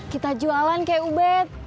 kita jualan kayak ubet